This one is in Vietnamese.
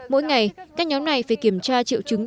mỗi ngày các nhóm này phải kiểm tra triệu chứng